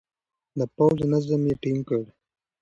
د پوځ نظم يې ټينګ کړ.